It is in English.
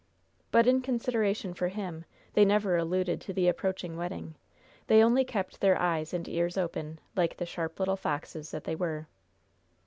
But, in consideration for him, they never alluded to the approaching wedding. They only kept their eyes and ears open, like the sharp little foxes that they were.